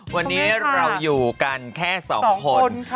วันนี้เราอยู่กันแค่๒คน